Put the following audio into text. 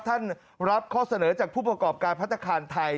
รับข้อเสนอจากผู้ประกอบการพัฒนาคารไทย